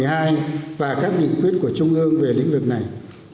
tinh thần nghị quyết đại hội một mươi hai và các nghị quyết của trung ương về lĩnh vực này